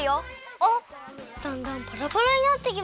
あっだんだんパラパラになってきました。